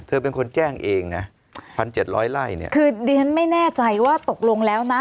เธอเป็นคนแจ้งเองนะพันเจ็ดร้อยไล่เนี่ยคือดิฉันไม่แน่ใจว่าตกลงแล้วนะ